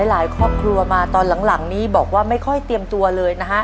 หลายครอบครัวมาตอนหลังนี้บอกว่าไม่ค่อยเตรียมตัวเลยนะฮะ